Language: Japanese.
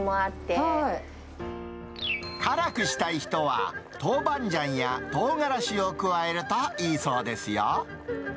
辛くしたい人は、トウバンジャンやトウガラシを加えるといいそうですよ。